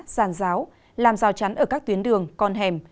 ràn ráo làm rào chắn ở các tuyến đường con hẻm